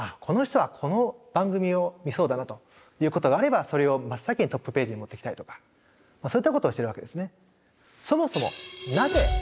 この人はこの番組を見そうだなということがあればそれを真っ先にトップページに持ってきたりとかそういったことをしてるわけですね。